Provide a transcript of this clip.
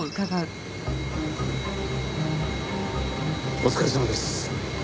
お疲れさまです。